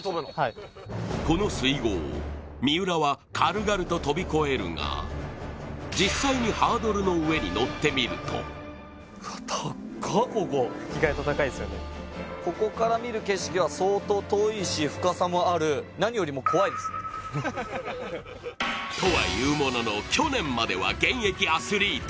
この水濠、三浦は軽々と跳び越えるが実際にハードルの上を乗ってみるととはいうものの去年までは現役アスリート。